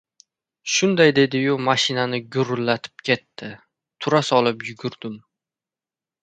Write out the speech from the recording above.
Shunday dedi-yu mashinani gurillatib ketdi. Tura solib, yugurdim.